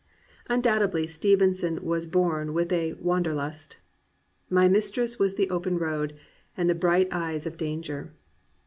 Undoubtedly Stevenson was born with a Wan derltLsL " My mistress was the open road And the bright eyes of danger.'